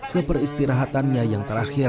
ke peristirahatannya yang terakhir